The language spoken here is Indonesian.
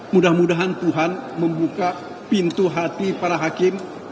mudah mudahan tuhan membuka pintu hati para hakim